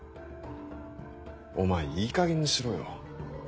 お前いいかげんにしろよ。